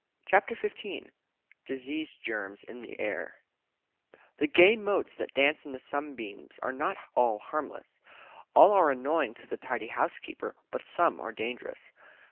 CHAPTER XV DISEASE GERMS IN THE AIR The gay motes that dance in the sunbeams are not all harmless. All are annoying to the tidy housekeeper; but some are dangerous.